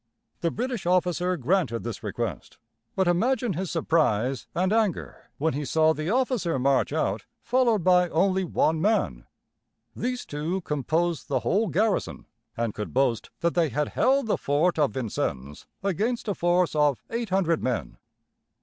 The British officer granted this request; but imagine his surprise and anger when he saw the officer march out, followed by only one man! These two composed the whole garrison, and could boast that they had held the fort of Vincennes against a force of eight hundred men.